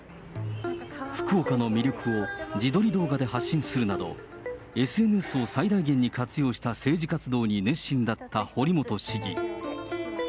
福岡の魅力を自撮り動画で発信するなど、ＳＮＳを最大限に活用した政治活動に熱心だった堀本市議。